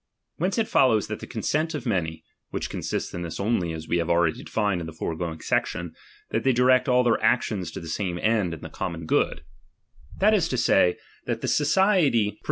Whence it follows that the consent of many, (which consists in this only, as we have already defined in the foregoing section, that they direct all their actions to the same end and the common good), that is to say, that the society pro VOL.